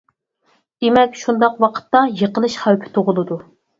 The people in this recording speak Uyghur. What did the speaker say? دېمەك شۇنداق ۋاقىتتا يىقىلىش خەۋپى تۇغۇلىدۇ.